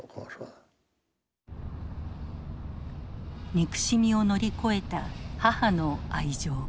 憎しみを乗り越えた母の愛情。